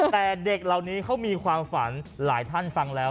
แต่เด็กเหล่านี้เขามีความฝันหลายท่านฟังแล้ว